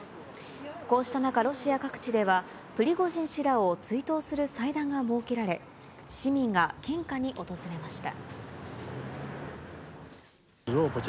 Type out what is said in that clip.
こうした中、ロシア各地では、プリゴジン氏らを追悼する祭壇が設けられ、市民が献花に訪れました。